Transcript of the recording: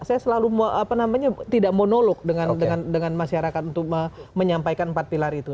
saya selalu tidak monolog dengan masyarakat untuk menyampaikan empat pilar itu